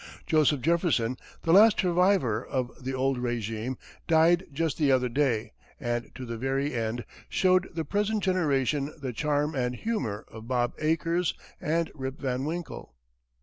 Joseph Jefferson, the last survivor of the old régime, died just the other day, and to the very end showed the present generation the charm and humor of Bob Acres and Rip Van Winkle.